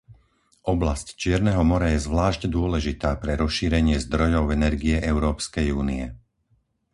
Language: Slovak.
Oblasť Čierneho mora je zvlášť dôležitá pre rozšírenie zdrojov energie Európskej únie.